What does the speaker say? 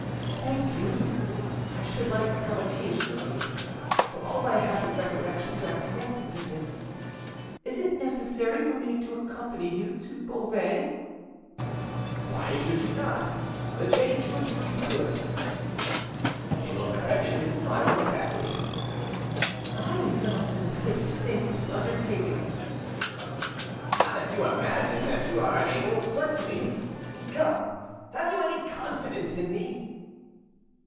"Thank you; I should like to come occasionally, for all my happy recollections are connected with it. Is it necessary for me to accompany you to Beauvais?" "Why should you not? The change would do you good." She looked up at him and smiled sadly. "I am not in a fit state to undertake it." "Not if you imagine that you are unable, certainly. Come, have you any confidence in me?"